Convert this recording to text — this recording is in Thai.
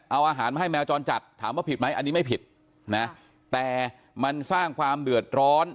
เอาอาหารมาให้แมวจรจัดถามว่าผิดไหมอันนี้ไม่ผิดนะแต่มันสร้างความเดือดร้อน